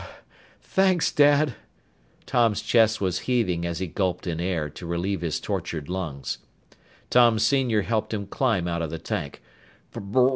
Th thanks, Dad!" Tom's chest was heaving as he gulped in air to relieve his tortured lungs. Tom Sr. helped him climb out of the tank.